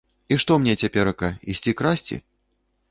І што мне цяперака, ісці красці?